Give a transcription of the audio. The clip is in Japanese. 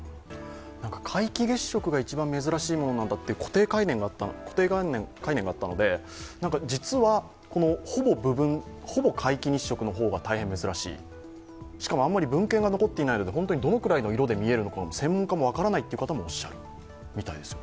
皆既月食が一番珍しいものなんだという固定概念があったので実は、ほぼ皆既月食の方が大変珍しい、しかも、あまり文献が残っていないので、どの色で見えるのかも専門家も分からないという方もおっしゃるぐらいですよ。